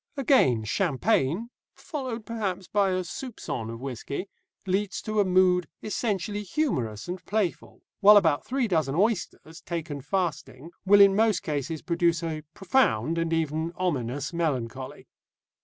Again, champagne (followed perhaps by a soupçon of whisky) leads to a mood essentially humorous and playful, while about three dozen oysters, taken fasting, will in most cases produce a profound and even ominous melancholy.